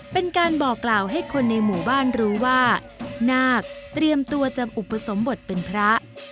เป็นการบอกกล่าวให้คนในหมู่บ้านรู้ว่านาคเตรียมตัวจะอุปสมบทเป็นพระ